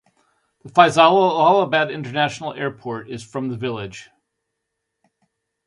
The Faisalabad International Airport is from the village.